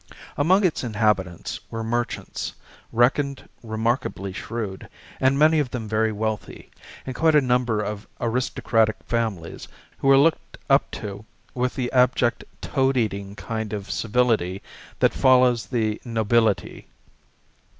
Among its inhabitants were merchants, reckoned remarkably shrewd, and many of them very wealthy; and quite a number of aristocratic families, who were looked up to with the abject toad eating kind of civility that follows "the nobility."